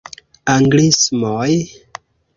Anglismoj?